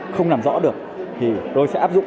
không làm rõ được thì tôi sẽ áp dụng